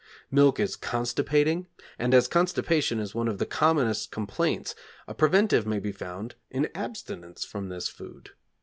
Milk is constipating, and as constipation is one of the commonest complaints, a preventive may be found in abstinence from this food.